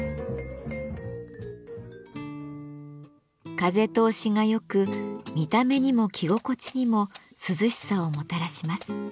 風通しが良く見た目にも着心地にも涼しさをもたらします。